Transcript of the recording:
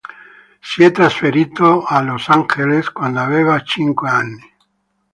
Si è trasferito a Los Angeles quando aveva cinque anni.